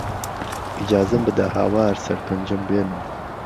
ئیجازەم بده هاوار سەر پەنجەم بێنم